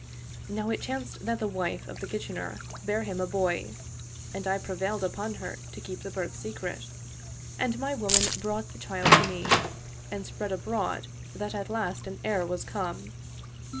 Now it chanced that the wife of the Kitchener bare him a boy, and I prevailed upon, her to keep the birth secret ; and my women brought the child to me, and spread abroad that at last an heir was come.